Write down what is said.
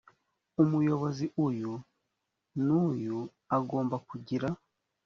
umuyobozi uyu n uyu agomba kugira